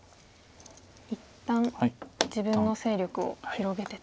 一旦自分の勢力を広げてと。